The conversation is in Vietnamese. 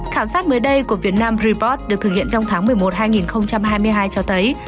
khảo sát mới đây của vietnam report được thực hiện trong tháng một mươi một hai nghìn hai mươi hai cho thấy